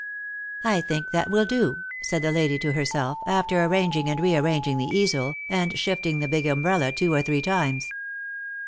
" I think that will do," said the lady to herself, after arranging and rearranging the easel, and shifting the big umbrella two or three times.